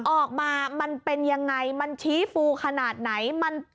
ออกมามันเป็นยังไงมันชี้ฟูขนาดไหน